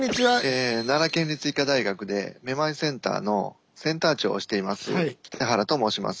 奈良県立医科大学でめまいセンターのセンター長をしています北原と申します。